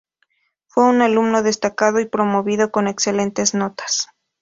Fue un alumno destacado y promovido con excelentes notas.